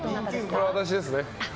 これは、私ですね。